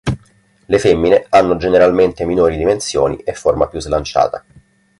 Le femmine hanno generalmente minori dimensioni e forma più slanciata.